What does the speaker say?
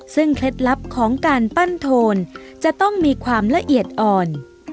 ซึ่งเคล็ดลับของการปั้นโทนจะต้องมีความละเอียดอ่อน